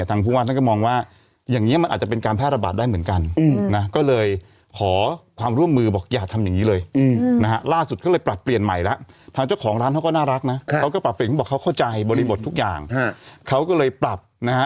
ทางภูมิว่าท่านก็มองว่า